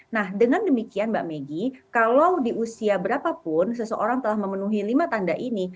nah dengan demikian mbak megi kalau di usia berapapun seseorang telah memenuhi lima tanda ini